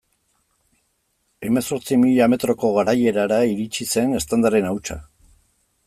Hemezortzi mila metroko garaierara iritsi zen eztandaren hautsa.